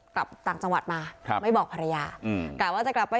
กลับต่างจังหวัดมาครับไม่บอกภรรยาอืมกะว่าจะกลับไป